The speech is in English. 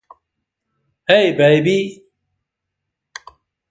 Hey baby.